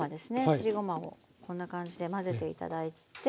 すりごまをこんな感じでまぜて頂いて。